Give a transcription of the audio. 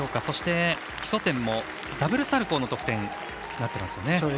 そして、基礎点もダブルサルコーの得点になってますよね。